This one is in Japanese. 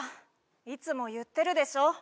いつも言ってるでしょ